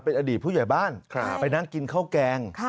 เป็นอดีตผู้ใหญ่บ้านไปนั่งกินข้าวแกง